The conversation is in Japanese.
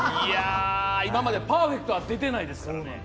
今までパーフェクトは出てないですからね。